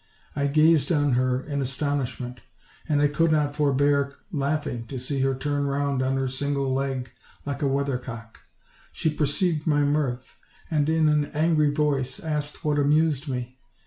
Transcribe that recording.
I gazed on her in astonishment; and I could not forbear laughing to see hor turn round on her single leg like a weathercock. She perceived my mirth; and, in an angry voice, asked what amused me.